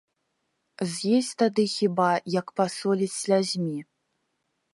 З'есць тады хіба, як пасоліць слязьмі.